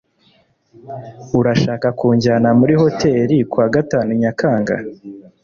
urashaka kunjyana muri hoteri kuwa gatanu nyakanga